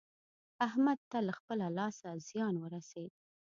احمد ته له خپله لاسه زيان ورسېد.